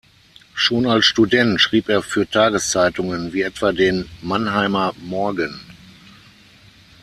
Schon als Student schrieb er für Tageszeitungen wie etwa den Mannheimer Morgen.